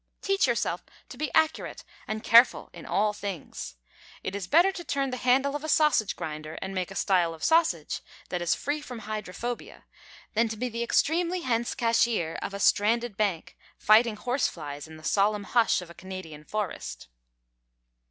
Teach yourself to be accurate and careful in all things. It is better to turn the handle of a sausage grinder and make a style of sausage that is free from hydrophobia, than to be the extremely hence cashier of a stranded bank, fighting horseflies in the solemn hush of a Canadian forest.